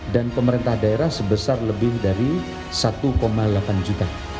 dan pemerintah daerah sebesar lebih dari satu delapan juta